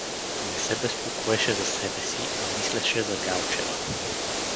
Не се безпокоеше за себе си, а мислеше за Галчева.